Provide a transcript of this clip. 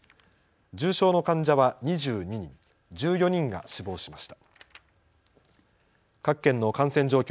重症の患者は２２人、１４人が死亡しました。